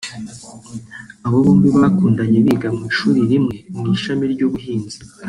Aba bombi bakundanye biga mu ishuri rimwe mu ishami ry’ubuhinzi